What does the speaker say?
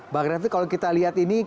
bang refli kalau kita lihat ini